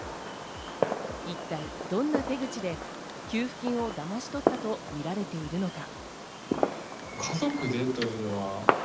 一体どんな手口で給付金をだまし取ったとみられているのか。